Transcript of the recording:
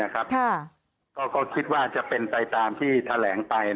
ก็คิดว่าจะเป็นไปตามที่แถลงไป